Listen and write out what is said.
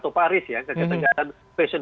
atau paris ya kecantikan